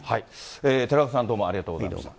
寺門さん、どうもありがとうございました。